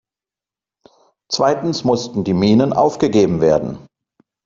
Zweitens mussten die Minen aufgegeben werden.